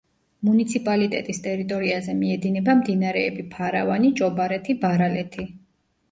მუნიციპალიტეტის ტერიტორიაზე მიედინება მდინარეები ფარავანი, ჭობარეთი, ბარალეთი.